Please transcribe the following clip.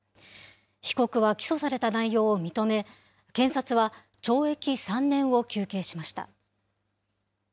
被告は起訴された内容を認め、検察は懲役３年を求刑しました。